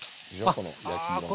この焼き色が。